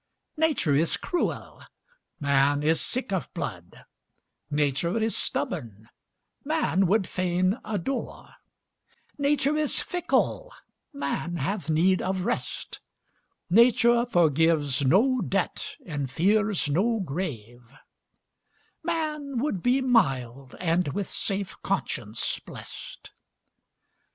Nature is cruel, man is sick of blood; Nature is stubborn, man would fain adore; Nature is fickle, man hath need of rest; Nature forgives no debt, and fears no grave; Man would be mild, and with safe conscience blest.